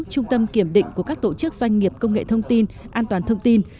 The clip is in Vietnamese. trung tâm kiểm định của các tổ chức doanh nghiệp công nghệ thông tin an toàn thông tin